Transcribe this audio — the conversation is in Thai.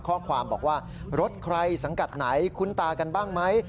ข้อความบอกว่ารถใครสังกัดไหนคุ้นตากันบ้างไหม